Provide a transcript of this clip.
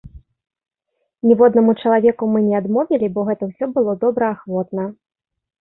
Ніводнаму чалавеку мы не адмовілі, бо гэта ўсё было добраахвотна.